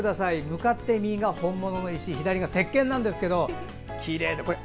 向かって右が本物の石左がせっけんなんですけどきれいですよね。